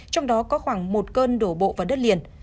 trong đó có khoảng một cơn đổ bộ vào đất liền